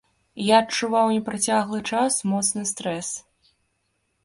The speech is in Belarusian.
Я адчуваў непрацяглы час моцны стрэс.